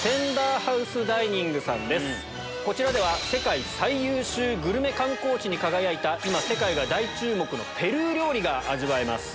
こちらでは世界最優秀グルメ観光地に輝いた今世界が大注目のペルー料理が味わえます。